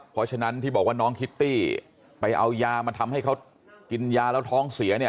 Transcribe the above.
เพราะฉะนั้นที่บอกว่าน้องคิตตี้ไปเอายามาทำให้เขากินยาแล้วท้องเสียเนี่ย